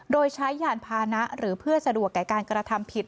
โดยใช้ยานพานะหรือเพื่อสะดวกแก่การกระทำผิด